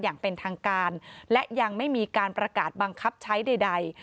อย่างเป็นทางการและยังไม่มีการประกาศบังคับใช้ใด